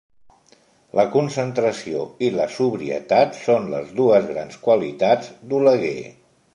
La concentració i la sobrietat són les dues grans qualitats d'Oleguer.